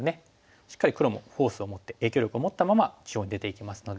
しっかり黒もフォースを持って影響力を持ったまま中央に出ていけますので。